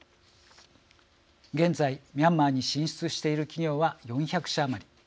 現在、ミャンマーに進出している企業は４００社余り。